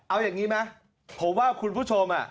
เอาอย่างนี้ไหมผมว่าคุณผู้ชม